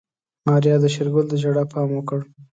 ماريا د شېرګل د ژړا پام وکړ.